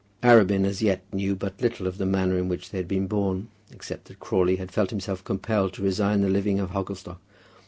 Arabin as yet knew but little of the manner in which they had been borne, except that Crawley had felt himself compelled to resign the living of Hogglestock.